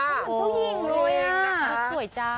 เหมือนผู้หญิงเลยอ่ะสวยจ้า